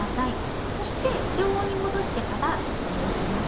そして常温にもどしてから焼きます。